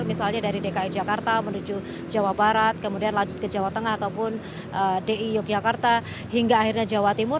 misalnya dari dki jakarta menuju jawa barat kemudian lanjut ke jawa tengah ataupun di yogyakarta hingga akhirnya jawa timur